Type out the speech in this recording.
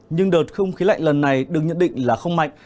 nhưng đợt không khí lạnh lần này được nhận định là không mạnh